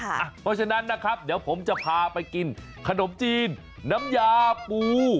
เพราะฉะนั้นนะครับเดี๋ยวผมจะพาไปกินขนมจีนน้ำยาปู